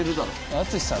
淳さん